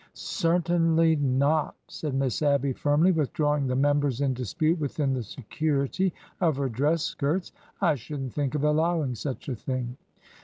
'' Certainly not !" said Miss Abby, firmly, withdrawing the members in dispute within the security of her dress skirts. I should n't think of allowing such a thing